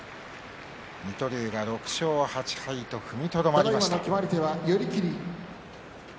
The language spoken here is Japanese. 水戸龍が６勝８敗と踏みとどまりました。